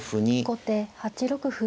後手８六歩。